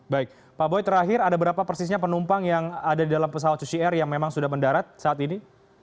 baik pak boy terakhir ada berapa persisnya penumpang yang ada di dalam pesawat susi air yang memang sudah mendarat saat ini